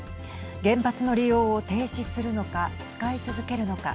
原発の利用を停止するのか使い続けるのか。